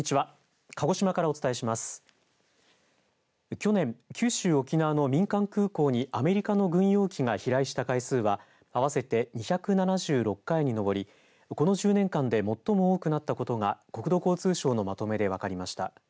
去年、九州・沖縄の民間空港にアメリカの軍用機が飛来した回数は合わせて２７６回に上りこの１０年間で最も多くなったことが国土交通省のまとめで分かりました。